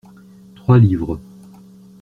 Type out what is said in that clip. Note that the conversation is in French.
Trois livres.